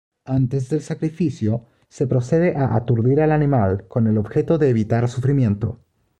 Antes del sacrificio se procede a aturdir al animal, con objeto de evitar sufrimiento.